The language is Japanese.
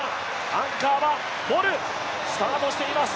アンカーはボル、スタートしています。